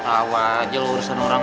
awal aja urusan orang